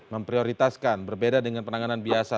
memprioritaskan berbeda dengan penanganan biasa